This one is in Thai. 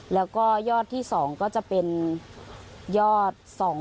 แล้วก็ยอดที่๒ก็จะเป็นยอด